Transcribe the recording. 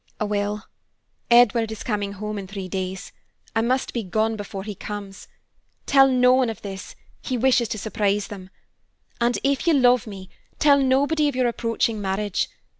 "I will. Edward is coming home in three days. I must be gone before he comes. Tell no one of this; he wishes to surprise them. And if you love me, tell nobody of your approaching marriage.